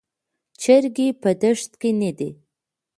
چرګې په دښت کې نه دي.